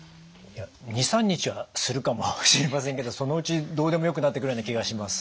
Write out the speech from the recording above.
２３日はするかもしれませんけどそのうちどうでもよくなってくるような気がします。